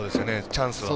チャンスは。